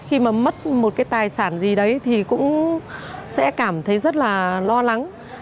khi mà mất một cái tài sản gì đấy thì cũng sẽ cảm thấy rất là lo lắng